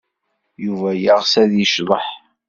Yuba yeɣs ad yecḍeḥ.